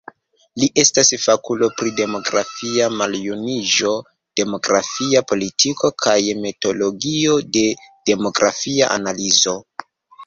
Li estas fakulo pri demografia maljuniĝo, demografia politiko kaj metodologio de demografia analizo.